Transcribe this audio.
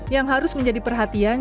yang harus menjadi perhatian